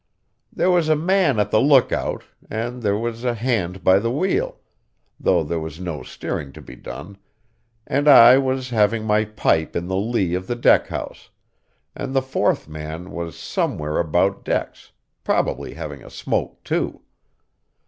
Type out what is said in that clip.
There was a man at the lookout, and there was a hand by the wheel, though there was no steering to be done, and I was having my pipe in the lee of the deck house, and the fourth man was somewhere about decks, probably having a smoke too.